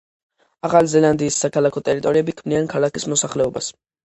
ახალი ზელანდიის საქალაქო ტერიტორიები ქმნიან ქალაქის მოსახლეობას.